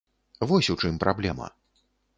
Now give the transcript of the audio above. Вось у чым праблема.